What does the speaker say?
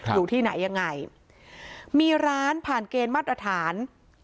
อยู่ที่ไหนยังไงมีร้านผ่านเกณฑ์มาตรฐาน